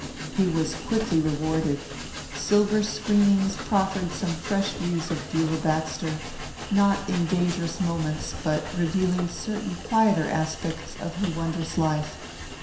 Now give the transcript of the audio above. He was quickly rewarded. Silver Screenings proffered some fresh views of Beulah Baxter, not in dangerous moments, but revealing certain quieter aspects of her wondrous life.